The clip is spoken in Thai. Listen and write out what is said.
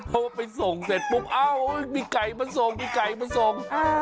เพราะว่าไปส่งเสร็จปุ๊บอ้าวมีไก่มาส่งมีไก่มาส่ง